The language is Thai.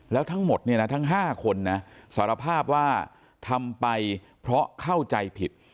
แล้วทั้งหมดเนี่ยนะทั้ง๕คนนะสารภาพว่าทำไปเพราะเข้าใจผิด